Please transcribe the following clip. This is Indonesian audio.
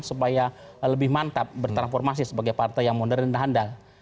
supaya lebih mantap bertransformasi sebagai partai yang modern dan handal